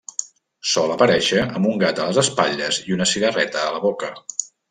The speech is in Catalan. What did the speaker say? Sol aparèixer amb un gat a les espatlles i una cigarreta a la boca.